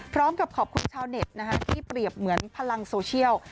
พร้อมกับขอบคุณชาวเน็ตที่เปรียบเหมือนพลังโซเชียล